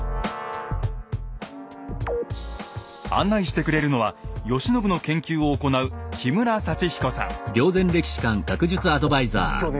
案内してくれるのは慶喜の研究を行う今日ね